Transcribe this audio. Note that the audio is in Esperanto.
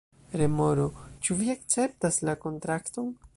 Remoro: "Ĉu vi akceptas la kontrakton?"